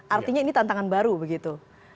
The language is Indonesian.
artinya ini tantangan baru begitu